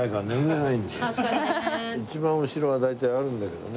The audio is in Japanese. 一番後ろは大体あるんだけどね。